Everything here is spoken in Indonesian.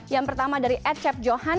yang pertama dari ecep johan